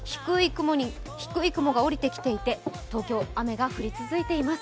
低い雲が降りてきて東京、雨が降り続いています。